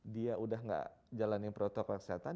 dia udah gak jalanin protokol kesehatan